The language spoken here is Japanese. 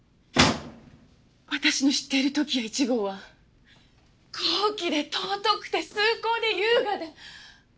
私の知っている時矢１号は高貴で尊くて崇高で優雅で。